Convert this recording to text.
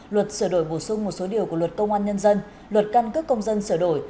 luật sửa đổi bổ sung một số điều của luật công an nhân dân luật căn cước công dân sửa đổi